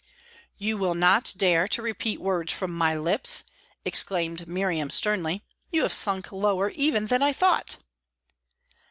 "You will not dare to repeat words from my lips!" exclaimed Miriam, sternly. "You have sunk lower even than I thought."